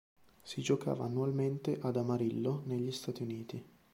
Si giocava annualmente ad Amarillo negli Stati Uniti.